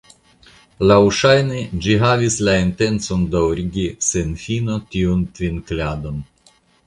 Laŭŝajne ĝi havis la intencon daŭrigi sen fino tian tvinkladon.